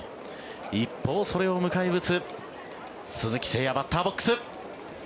一方、それを迎え撃つ鈴木誠也、バッターボックス。